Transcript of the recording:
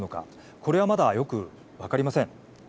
これはまだ、よく分かりません。